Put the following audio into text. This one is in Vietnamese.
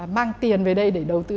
mang tiền về đây để đầu tư